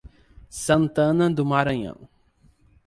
Santana do Maranhão